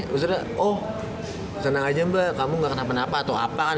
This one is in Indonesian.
maksudnya oh seneng aja mba kamu ga kenapa napa atau apa kan